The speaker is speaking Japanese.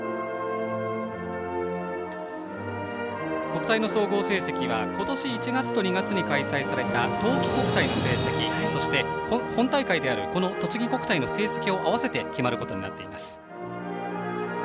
国体の総合成績は今年１月と２月に開催された冬季国体の成績そして、本大会であるこのとちぎ国体の成績を合わせて決まることになっています。